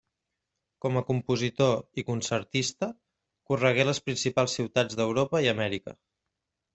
Com a compositor i concertista corregué les principals ciutats d'Europa i Amèrica.